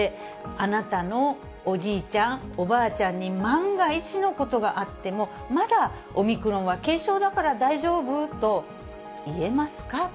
あなたのおじいちゃん、おばあちゃんに万が一のことがあっても、まだオミクロンは軽症だから大丈夫と言えますか？